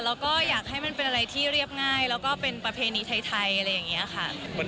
แล้วก็อยากให้มันเป็นอะไรที่เรียบง่ายแล้วก็เป็นประเพณีไทยอะไรอย่างนี้ค่ะ